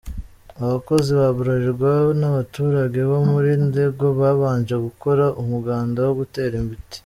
Abakozi ba Bralirwa n'abaturage bo muri Ndego babanje gukora umuganda wo gutera ibiti.